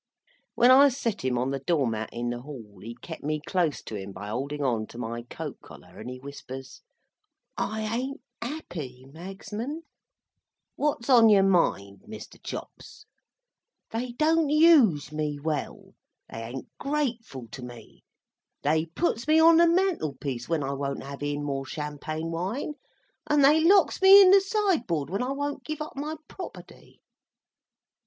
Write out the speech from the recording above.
When I set him on the door mat in the hall, he kep me close to him by holding on to my coat collar, and he whispers: "I ain't 'appy, Magsman." "What's on your mind, Mr. Chops?" "They don't use me well. They an't grateful to me. They puts me on the mantel piece when I won't have in more Champagne wine, and they locks me in the sideboard when I won't give up my property."